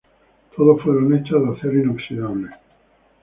Todas fueron hechas en acero inoxidable.